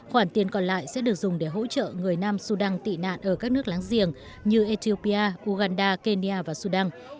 khoản tiền còn lại sẽ được dùng để hỗ trợ người nam sudan tị nạn ở các nước láng giềng như ethiopia uganda kenya và sudan